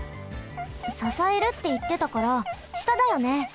ささえるっていってたからしただよね？